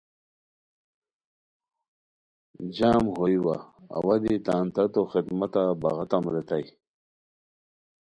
جام ہوئے وا اوا دی تان تاتو خدمتہ بغاتام ریتائے